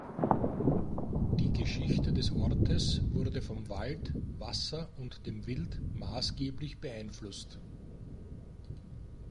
Die Geschichte des Ortes wurde vom Wald, Wasser und dem Wild maßgeblich beeinflusst.